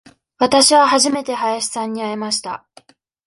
わたしは初めて林さんに会いました。